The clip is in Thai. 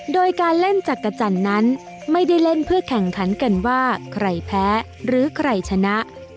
โดยการเล่นจักรจันทร์นั้นไม่ได้เล่นเพื่อแข่งขันกันว่าใครแพ้หรือใครชนะ